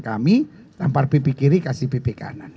kami tampar pipi kiri kasih pipi kanan